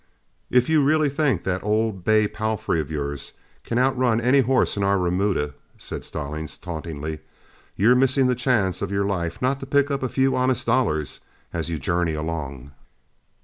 "If you really think that that old bay palfrey of yours can outrun any horse in our remuda," said Stallings, tauntingly, "you're missing the chance of your life not to pick up a few honest dollars as you journey along.